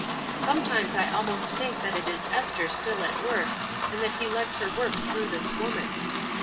"Sometimes I almost think that it is Ester still at work, and that He lets her work through this woman."